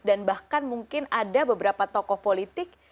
dan bahkan mungkin ada beberapa tokoh politik